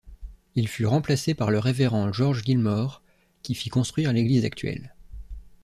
Il fut remplacé par le révérend George Gillmore, qui fit construire l'église actuelle.